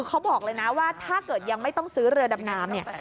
เขาบอกเลยนะว่าถ้าเกิดยังไม่ต้องซื้อเรือดำน้ำเนี่ย